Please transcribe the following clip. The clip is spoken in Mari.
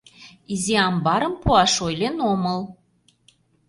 Изи амбарым пуаш ойлен омыл...